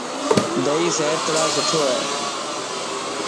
دئي صحت لاءِ سٺو آهي.